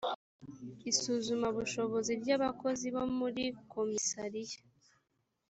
isuzumabushobozi ry abakozi bo muri komisariya